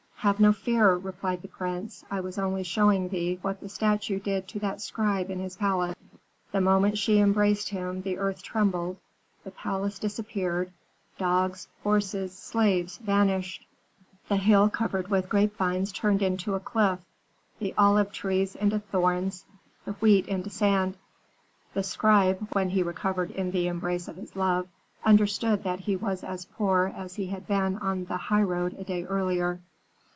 "Have no fear," replied the prince; "I was only showing thee what the statue did to that scribe in his palace. The moment she embraced him the earth trembled, the palace disappeared, dogs, horses, slaves vanished. The hill covered with grape vines turned into a cliff, the olive trees into thorns, the wheat into sand. The scribe, when he recovered in the embrace of his love, understood that he was as poor as he had been on the highroad a day earlier.